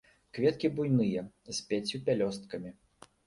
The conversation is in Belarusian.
Кветкі буйныя, з пяццю пялёсткамі.